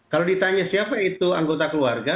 kalau ditanya siapa itu anggota keluarga